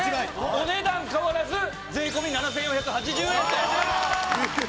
お値段変わらず税込７４８０円という事ですね。